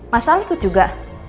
masa elsa ikut juga